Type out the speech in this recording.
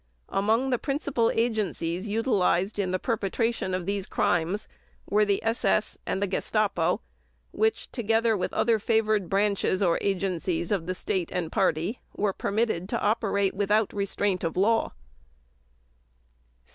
Among the principal agencies utilized in the perpetration of these crimes were the SS and the GESTAPO, which, together with other favored branches or agencies of the State and Party, were permitted to operate without restraint of law.